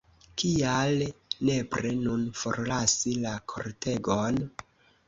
Kial nepre nun forlasi la kortegon?